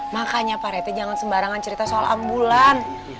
makanya pak reti jangan sembarangan cerita soal ambulan